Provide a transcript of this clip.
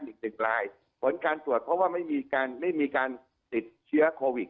คือสัปดาห์๒ลายผลการตรวจเพราะว่าไม่มีการติดเชื้อโควิด